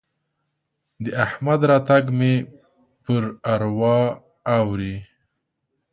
د احمد راتګ مې پر اروا اوري.